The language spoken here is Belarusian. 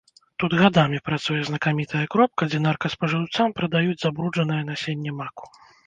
Тут гадамі працуе знакамітая кропка, дзе наркаспажыўцам прадаюць забруджанае насенне маку.